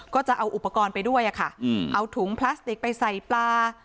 ก็จะเอาอุปกรณ์ไปด้วยค่ะเอาถุงพลาสติกไปใส่ปลา